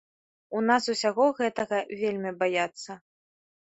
У нас усяго гэтага вельмі баяцца.